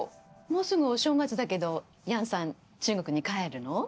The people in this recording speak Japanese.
もうすぐお正月だけど楊さん中国に帰るの？